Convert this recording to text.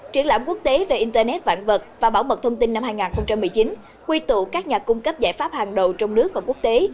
triển lãm quốc tế về internet vạn vật và bảo mật thông tin năm hai nghìn một mươi chín quy tụ các nhà cung cấp giải pháp hàng đầu trong nước và quốc tế